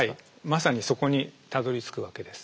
まさにそこにたどりつくわけです。